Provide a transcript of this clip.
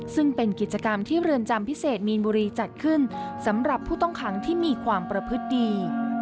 ซึ่งเป็นกิจกรรมที่เรือนจำพิเศษมีนบุรีจัดขึ้นสำหรับผู้ต้องขังที่มีความประพฤติดี